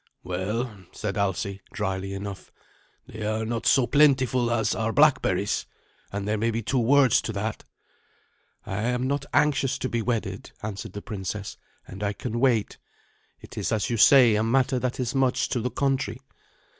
"Well," said Alsi, dryly enough, "they are not so plentiful as are blackberries, and there may be two words to that." "I am not anxious to be wedded," answered the princess, "and I can wait. It is, as you say, a matter that is much to the country."